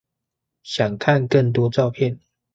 想看更多照片